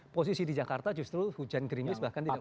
posisi di jakarta justru hujan gerimis bahkan tidak